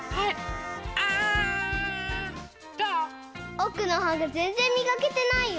おくのはがぜんぜんみがけてないよ！